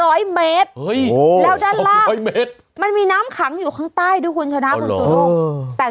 เฮ้ย๒๐๐เมตรแล้วด้านล่างมันมีน้ำขังอยู่ข้างใต้ด้วยคุณชนะคุณสุโรคอ๋อ